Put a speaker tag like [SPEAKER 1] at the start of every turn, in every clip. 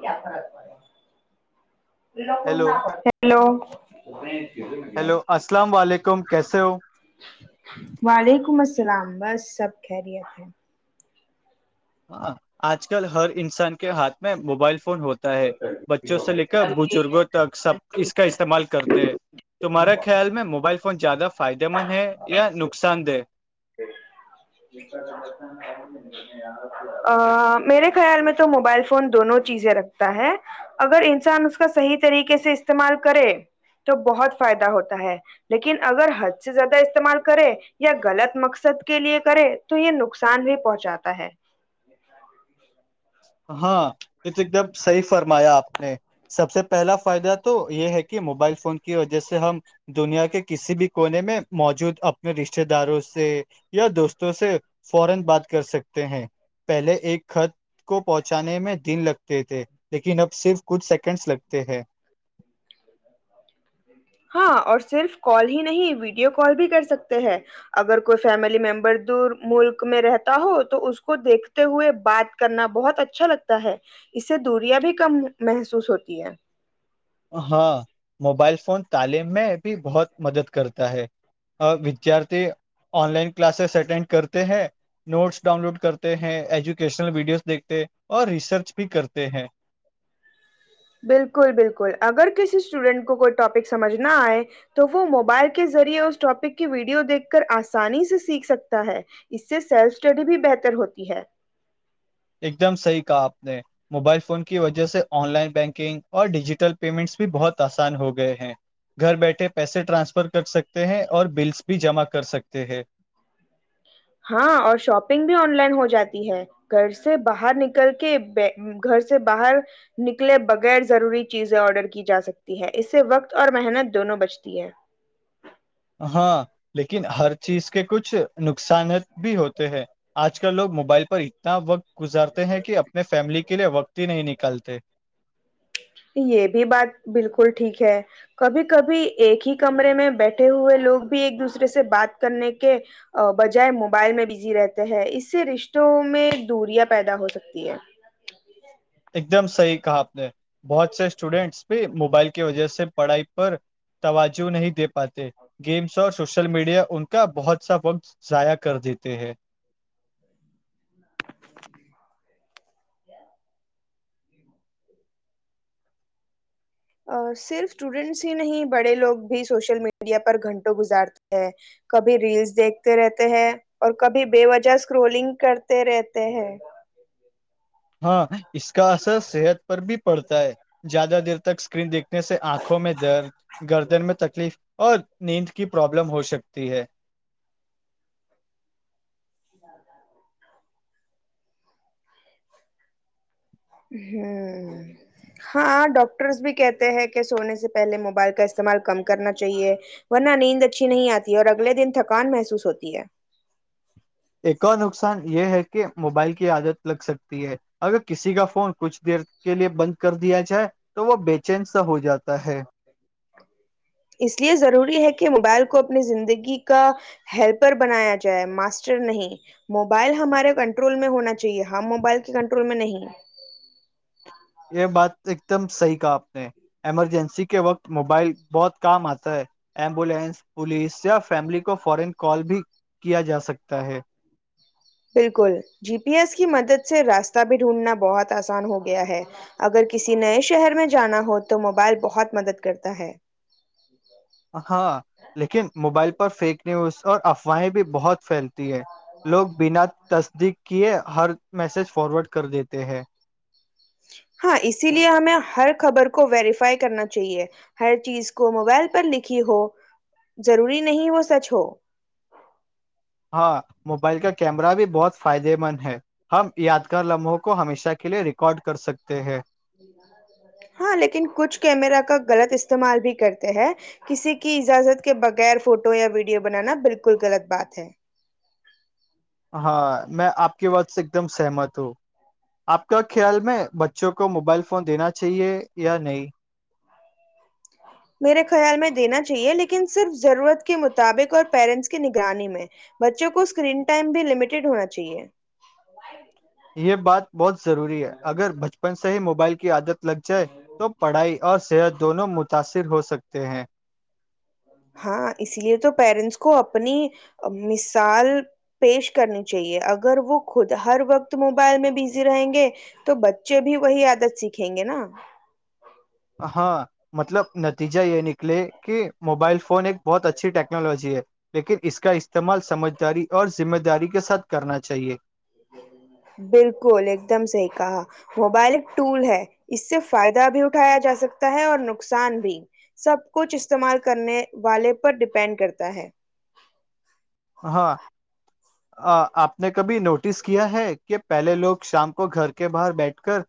[SPEAKER 1] کیا فرق پڑے لوگ
[SPEAKER 2] ہیلو
[SPEAKER 1] نہ پڑتے ہیلو [inaudible]
[SPEAKER 2] ہیلو السلام علیکم کیسے ہو
[SPEAKER 1] وعلیکم السلام بس سب خیریت ہے
[SPEAKER 2] ہاں آج کل ہر انسان کے ہاتھ میں موبائل فون ہوتا ہوتا ہے بچوں سے لے کر بزرگوں تک سب اس کا استعمال کرتے ہیں تمہارے خیال میں موبائل فون زیادہ فائدے مند ہے یا نقصان دہ
[SPEAKER 1] [inaudible] میرے خیال میں تو موبائل فون دونوں چیزیں رکھتا ہے اگر انسان اس کا صحیح طریقے سے استعمال کرے تو بہت فائدہ ہوتا ہے لیکن اگر حد سے زیادہ استعمال کرے یا غلط مقصد مقصد کے لیے کرے تو یہ نقصان بھی پہنچاتا ہے
[SPEAKER 2] ہاں یہ تو ایک دم صحیح فرمایا آپ نے سب سے پہلا فائدہ تو یہ ہے کہ موبائل فون کی وجہ سے ہم دنیا کے کسی بھی کونے میں موجود اپنے رشتتے داروں سے یا دوستوں سے فورن بات کر سکتے ہیں پہلے ایک خط کو پہنچانے میں دن لگتے تھے لیکن اب صرف کچھ سیکنڈس لگتے ہیں [inaudible]
[SPEAKER 1] ہاں اور صرف کال ہی نہیں ویڈیو کال بھی کر سکتے ہیں اگر کوئی فیملی ممبر دور ملک میں رہتا ہو تو اس کو دیکھتے ہوئے بات کرنا بہت اچھا لگتا ہے اس سے دوریاں بھی کم محسوس ہوتی ہے
[SPEAKER 2] ہاں موبائل فون تعلیم میں بھی بہت مدد کرتا ہے ودیارتھی آن لائن کلاسز اٹینڈ کرتے ہیں نوٹس ڈاؤن لوڈ کرتے ہیں ایجوکیشنل ویڈیوز دیکھتے اور ریسرچ بھی کرتے ہیں
[SPEAKER 1] بالکل بالکل اگر کسی اسٹوڈینٹ کو کوئی ٹاپک سمجھ نہ آئے تو وہ موبائل کے ذریعے اس ٹاپک کی ویڈیو دیکھ کر آسانی سے سیکھ سکتا ہے اس سے سیلف اسٹڈی بھی بہتر ہوتی ہے
[SPEAKER 2] ایک دم صحیح کہا آپ نے موبائل فون کی وجہ سے آن لائن بینکنگ اور ڈیجیٹل پیمنٹس بھی بہت آسان ہو گئے ہیں گھر بیٹھے پیسے ٹرانسفر کر سکتے ہیں اور بلس بھی جمع کر سکتے ہیں
[SPEAKER 1] ہاں اور شاپنگ بھی آن لائن ہو جاتی ہے گھر سے باہر نکل کے گھر سے باہر نکلے بغیر ضروری چیزیں آرڈر کی جا سکتی ہے اس سے وقت اور محنت دونوں بچ [inaudible]
[SPEAKER 2] ہاں لیکن ہر چیز کے کچھ نقصانات بھی ہوتے ہیں آج آج کل لوگ موبائل پر اتنا وقت گزارتے ہیں کہ اپنے فیملی کے لیے وقت ہی نہیں نکالتے
[SPEAKER 1] یہ بھی بات بالکل ٹھیک ہے کبھی کبھی ایک ہی کمرے میں بیٹھے ہوئے لوگ بھی ایک دوسرے سے بات کرنے کے بجائے موبائل میں بزی رہتے ہیں اس سے رشتوں میں دوریاں پیدا ہو سکتی ہے
[SPEAKER 2] ایک دم صحیح کہا آپ نے بہت سے اسٹوڈینٹس بھی موبائل کی وجہ سے پڑھائی پر توجو نہیں د پاتے گیمس اور سوشل میڈیا ان کا بہت سا وقت ضائع کر دیتے ہیں
[SPEAKER 1] صرف اسٹوڈینٹس ہی نہیں بڑے لوگ بھی سوشل میڈیا پر گھنٹوں گزارتے ہیں کبھی ریلس دیکھتے رہتے ہیں اور کبھی بے وجہ اسکرولنگ کرتے رہتے ہیں
[SPEAKER 2] ہاں اس کا اثر صحت پر بھی پڑتا ہے زیادہ دیر تک اسکرین دیکھ نے سے آنکھوں میں درد گردن میں تکلیف اور نیند کی پرابلم ہو سکتی ہے
[SPEAKER 1] ج ہاں ہاں ڈاکٹرس بھی کہتے ہیں کہ سونے سے پہلے موبائل کا استعمال کم کرنا چاہیے ورنہ نیند اچھی نہیں آتی ہے اور اگلے دن تھکان محسوس ہوتی ہے
[SPEAKER 2] ایک اور نقصان یہ ہے کہ موبائل کی عادت لگ سکتی ہے اگر کسی کا فون کچھ دیر کے لیے بند کر دیا جائے تو وہ بے چین سا ہو جاتا ہے
[SPEAKER 1] اس لیے ضروری ہے کہ موبائل کو اپنی زندگی کا ہیلپر بنایا جائے ماسٹر نہیں موبائل ہمارے کنٹرول میں ہونا چاہیے ہم موبائل کے کنٹرول میں نہیں
[SPEAKER 2] یہ بات ایک دم صحیح کہا آپ نے ایمرجنسی کے وقت موبائل بہت کام آتا ہے ایمبولینس پولیس یا فیملی کو فورن کال بھی کیا جا سکتا ہے
[SPEAKER 1] بالکل جی پی ایس کی مدد سے راستہ بھی ڈھونڈنا بہت آسان ہو گیا ہے اگر کسی نئے شہر میں جانا ہو تو موبائل بہت مدد کرتا ہے جی
[SPEAKER 2] ہاں لیکن موبائل پر فیک نیوز اور افواہیں بھی بہت پھیلتی ہے لوگ بنا تصدیق کیے ہر میسج فارورڈ کر دیتے ہیں
[SPEAKER 1] ہاں اسی لیے ہمیں ہر خبر کو ویریفائی کرنا چاہیے ہر چیز کو موبائل پر لکھی ہو ضروری نہیں وہ سچ ہو
[SPEAKER 2] ہاں موبائل کا کیمرہ بھی بہت فائدے مند ہے ہم یادگار لمحوں کو ہمیشہ کے لیے ریکارڈ کر سکتے ہیں
[SPEAKER 1] ہاں لیکن کچھ کیمرا کا غلط استعمال بھی کرتے ہیں کسی کی اجازت کے بغیر فوٹو یا ویڈیو بنانا بالکل غلط بات ہے
[SPEAKER 2] ہاں میں آپ کی وات سے ایک دم سہمت ہوں آپ کا خیال میں بچوں کو موبائل فون دینا چاہیے یا نہیں [inaudible]
[SPEAKER 1] میرے خیال میں دینا چاہیے لیکن صرف ضرورت کے مطابق اور پیرنٹس کی نگرانی میں بچوں کو اسکرین ٹائم بھی لمیٹیڈ ہونا چاہیے
[SPEAKER 2] یہ بات بہت ضروری ہے اگر بچپن سے ہی موبائل کی عادت لگ جائے تو پڑھائی اور صحت دونوں متاثر ہو سکتے ہیں
[SPEAKER 1] ہاں اس لیے تو پیرنٹس کو اپنی مثال پیش کرنی چاہیے اگر وہ خود ہر وقت موبائل میں بزی رہیں گے تو بچے بھی وہی عادت سیکھیں گے نا
[SPEAKER 2] ہاں مطلب نتیجہ یہ نکلے کہ موبائل فون ایک بہت اچھی ٹیکنالوجی ہے لیکن اس کا استعمال سمجھداری اور ذمہ داری کے ساتھ کرنا چاہیئے
[SPEAKER 1] بالکل ایک دم صحیح کہا موبائلک ٹول ہے اس سے فائدہ بھی اٹھایا جا سکتا ہے اور نقصان بھی سب کچھ استعمال کرنے والے پر ڈیپینڈ کرتا ہے
[SPEAKER 2] ہاں آپ نے کبھی نوٹس کیا ہے کہ پہلے لوگ شام کو گھر کے باہر بیٹھ کر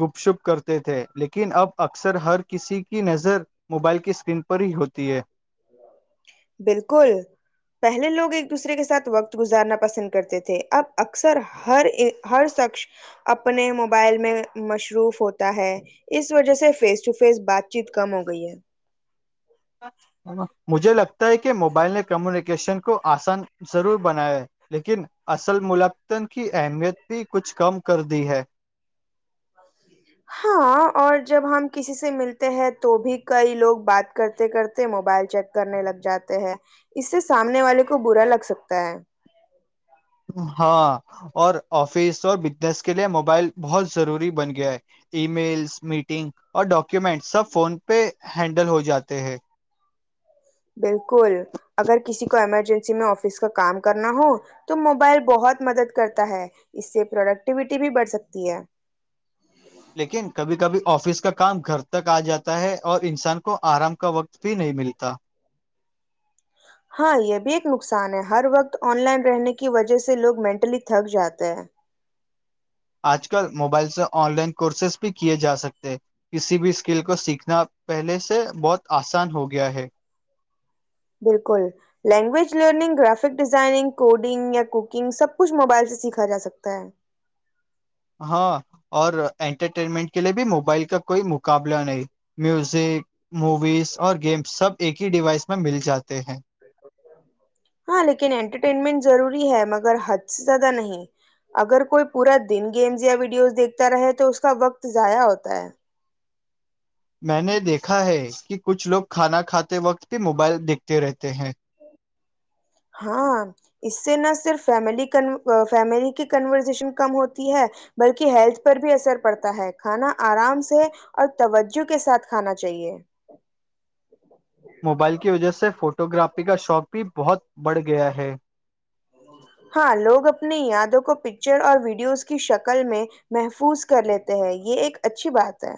[SPEAKER 2] گپ شپ کرتے تھے لیکن اب اکثر ہر کسی کی نظر موبائل کی اسکرین پر ہی ہوتی ہے
[SPEAKER 1] بالکل پہلے لوگ ایک دوسرے کے ساتھ وقت گزارنا پسند کرتے تھے اب اکثر ہر ہر شخص اپنے موبائل میں مصروف ہوتا ہے اس وجہ سے فیس ٹو فیس بات چیت کم ہو گئی ہے
[SPEAKER 2] مجھے لگتا ہے کہ موبائل نے کمیونیکیشن کو آسان ضرور بناائے لیکن اصل ملطن کی اہمیت بھی کچھ کم کر دی ہے
[SPEAKER 1] ہاں اور جب ہم کسی سے ملتے ہیں تو بھی کئی لوگ بات کرتے کرتے موبائل چیک کرنے لگ جاتے ہیں اس سے سامنے والے کو برا لگ سکتا ہے
[SPEAKER 2] ہاں اور آفس اور بزنس کے لیے موبائل بہت ضروری بن گیا ہے ای میلس میٹنگ اور ڈاکومینٹ سب فون پہ ہینڈل ہو جاتے ہیں
[SPEAKER 1] بالکل اگر کسی کو ایمرجنسی میں آفس کا کام کرنا ہو تو موبائل بہت مدد کرتا ہے اس سے پروڈکٹیوٹی بھی بڑھ سکتی ہے
[SPEAKER 2] لیکن کبھی کبھی آفس کا کام گھر تک آ جاتا ہے اور انسان کو آرام کا وقت بھی نہیں ملتا
[SPEAKER 1] ہاں یہ بھی ایک نقصان ہے ہر وقت آن لائن رہنے کی وجہ سے لوگ مینٹلی تھک جاتے ہیں
[SPEAKER 2] آج کل موبائل سے آن لائن کورسز بھی کیے جا سکتے کسی بھی اسکل کو سیکھنا پہلے سے بہت آسان ہو گیا ہے
[SPEAKER 1] بالکل language learning graphic designing coding یا کوکنگ سب کچھ موبائل سے سیکھا جا سکتا ہے
[SPEAKER 2] ہاں اور انٹرٹینمنٹ کے لیے بھی موبائل کا کوئی مقابلہ نہیں میوزک موویز اور گیمس سب ایک ہی ڈیوائس میں مل جاتے ہیں
[SPEAKER 1] ہاں لیکن انٹرٹینمنٹ ضروری ہے مگر حد سے زیادہ نہیں اگر کوئی پورا دن گیمز یا ویڈیوز دیکھتا رہے تو اس کا وقت ضائع ہوتا ہے
[SPEAKER 2] میں نے دیکھا ہے کہ کچھ لوگ کھانا کھاتے وقت بھی موبائل دیکھتے رہتے ہیں
[SPEAKER 1] ہاں اس سے نہ صرف فیملی فیملی کی کنورزیشن کم ہوتی ہے بلکہ ہیلتھ پر بھی اثر پڑتا ہے کھانا آرام سے اور توجہ کے ساتھ کھانا چاہیے
[SPEAKER 2] موبائل کی وجہ سے فوٹو گرافی کا شوق بھی بہت بڑھ گیا ہے
[SPEAKER 1] ہاں لوگ اپنی یادوں کو پکچر اور ویڈیوز کی شکل میں محفوظ کر لیتے ہیں یہ ایک اچھی بات ہے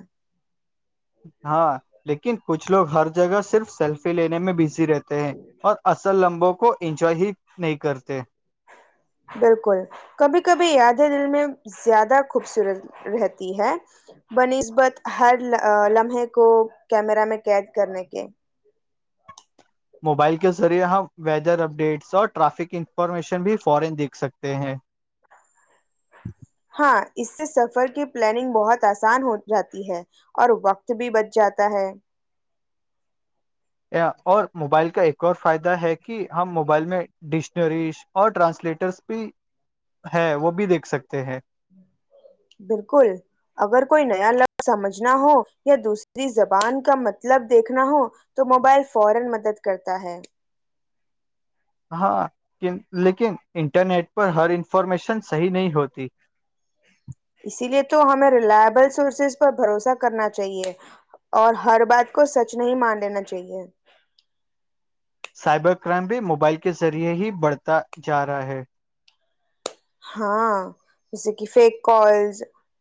[SPEAKER 2] ہاں لیکن کچھ لوگ ہر جگہ صرف سیلفی لینے میں بزی رہتے ہیں اور اصل لمبوں کو انجوائے ہی نہیں کرتے
[SPEAKER 1] بالکل کبھی کبھی یادیں دل میں زیادہ خوبصورت رہتی ہے ب نسبت ہر لمحے کو کیمرا میں قید کرنے کے
[SPEAKER 2] موبائل کے ذریعے ہم ویدر اپڈیٹس اور ٹرافک انفارمیشن بھی فورین دیکھ سکتے ہیں
[SPEAKER 1] ہاں اس سے سفر کی پلاننگ بہت آسان ہو جاتی ہے اور وقت بھی بچ جاتا ہے
[SPEAKER 2] اور موبائل کا ایک اور فائدہ ہے کہ ہم موبائل میں ڈکشنریز اور ٹرانسلیٹرس بھی ہے وہ بھی دیکھ سکتے ہیں
[SPEAKER 1] بالکل اگر کوئی نیا لفظ سمجھنا ہو یا دوسری زبان کا مطلب دیکھنا ہو تو موبائل فورا مدد کرتا ہے
[SPEAKER 2] ہاں لیکن انٹرنیٹ پر ہر انفارمیشن صحیح نہیں ہوتی
[SPEAKER 1] اسی لیے تو ہمیں ریلائبل سورسز پر بھروسہ کرنا چاہیے اور ہر بات کو سچ نہیں مان لینا چاہیے
[SPEAKER 2] سائبر کرائم بھی موبائل کے ذریعے ہی بڑھتا جا رہا ہے
[SPEAKER 1] ہاں جیسے کہ فیک کالز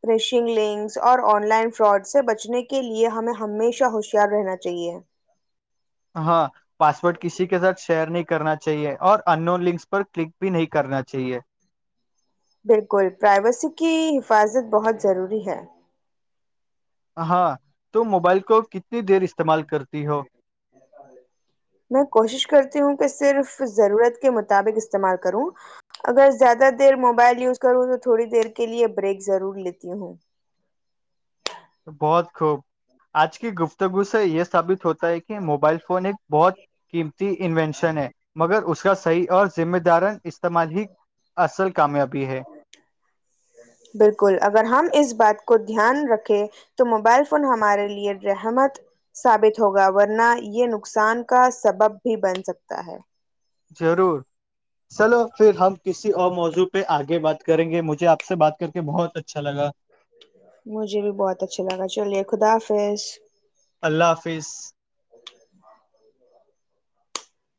[SPEAKER 1] فشنگ لنکس اور آن لائن فراڈ سے بچنے کے لیے ہمیں ہمیشہ ہوشیار رہنا چاہیے
[SPEAKER 2] ہاں پاسورڈ کسی کے ساتھ شیئر نہیں کرنا چاہیے اور ان لنکس پر کلک بھی نہیں کرنا چاہ
[SPEAKER 1] بالکل پرائیویسی کی حفاظت بہت ضروری ہے
[SPEAKER 2] ہاں تم موبائل کو کتنی دیر استعمال کرتی ہو غوو [unintelligible]
[SPEAKER 1] میں کوشش کرتی ہوں کہ صرف ضرورت کے مطابق استعمال کروں اگر زیادہ دیر موبائل یوز کروں تو تھوڑی دیر کے لیے بریک ضرور لیتی ہوں
[SPEAKER 2] بہت خوب آج کی گفتگو سے یہ ثابت ہوتا ہے کہ موبائل فون ایک بہت قیمتی انوینشن ہے مگر اس کا صحیح اور ذمہ دار اس سمجی اصل کامیابی ہے
[SPEAKER 1] بالکل اگر ہم اس بات کو دھیان رکھیں تو موبائل فون ہمارے لیے رحمت ثابت ہوگا ورنہ یہ نقصان کا سبب بھی بن سکتا ہے
[SPEAKER 2] ضرور چلو پھر ہم کسی اور موضوع پہ آگے بات کریں گے مجھے آپ سے بات کر کے بہت اچھا لگا
[SPEAKER 1] مجھے بھی بہت اچھا لگا چلیے خدافظ
[SPEAKER 2] اللہ حافظ